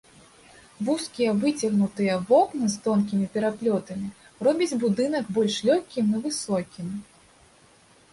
Вузкія выцягнутыя вокны з тонкімі пераплётамі робяць будынак больш лёгкім і высокім.